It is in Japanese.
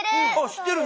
知ってる。